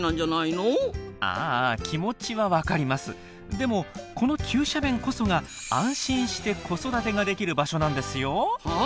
でもこの急斜面こそが安心して子育てができる場所なんですよ。はあ？